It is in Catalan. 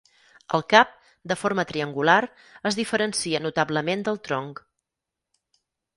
El cap, de forma triangular, es diferencia notablement del tronc.